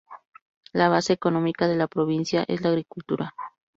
La base económica de la provincia es la agricultura.